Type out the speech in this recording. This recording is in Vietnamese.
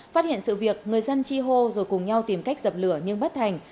phát hiện sự việc người dân chi hô rồi cùng nhau tìm cách dập lửa nhưng bất thành